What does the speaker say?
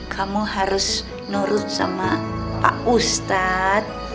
kamu harus nurut sama pak ustadz